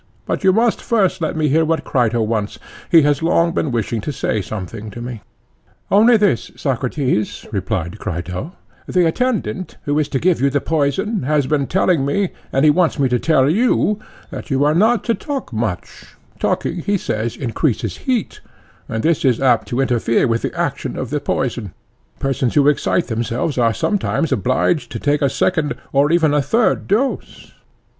But you must first let me hear what Crito wants; he has long been wishing to say something to me. Only this, Socrates, replied Crito:—the attendant who is to give you the poison has been telling me, and he wants me to tell you, that you are not to talk much, talking, he says, increases heat, and this is apt to interfere with the action of the poison; persons who excite themselves are sometimes obliged to take a second or even a third dose.